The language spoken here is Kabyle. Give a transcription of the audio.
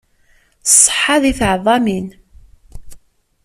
Ṣṣeḥa di teɛḍamin.